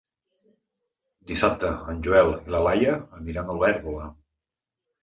Dissabte en Joel i na Laia aniran a Olèrdola.